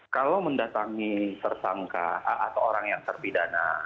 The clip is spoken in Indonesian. kalau mendatangi tersangka atau orang yang terpidana